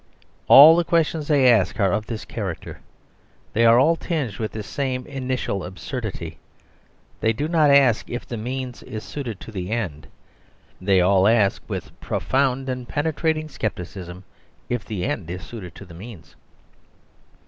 All the questions they ask are of this character; they are all tinged with this same initial absurdity. They do not ask if the means is suited to the end; they all ask (with profound and penetrating scepticism) if the end is suited to the means.